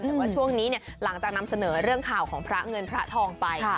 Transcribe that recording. แต่ว่าช่วงนี้หลังจากนำเสนอเรื่องข่าวของพระเงินพระทองไป